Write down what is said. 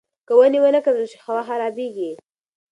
که ونې ونه کرل شي، هوا خرابېږي.